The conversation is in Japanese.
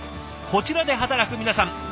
こちらで働く皆さん